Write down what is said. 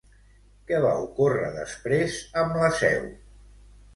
Què va ocórrer després amb la Seu?